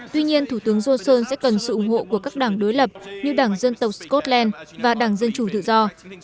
tuy nhiên thủ tướng johnson sẽ cần sự ủng hộ của các đảng đối lập như đảng dân tộc scotland và đảng dân chủ tự do